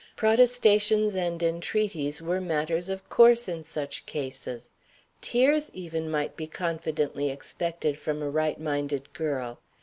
Protestations and entreaties were matters of course, in such cases. Tears even might be confidently expected from a right minded girl.